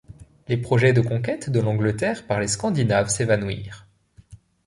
Les projets de conquête de l'Angleterre par les Scandinaves s'évanouirent.